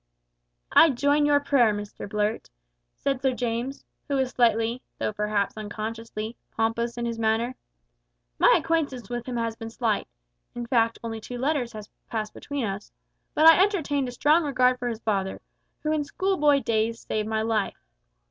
"I join your prayer, Mr Blurt," said Sir James, who was slightly, though perhaps unconsciously, pompous in his manner. "My acquaintance with him has been slight in fact only two letters have passed between us but I entertained a strong regard for his father, who in schoolboy days saved my life.